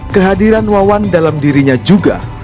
kehadiran wawan dalam dirinya juga